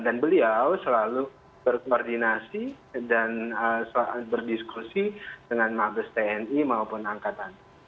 dan beliau selalu berkoordinasi dan selalu berdiskusi dengan mabes tni maupun angkatan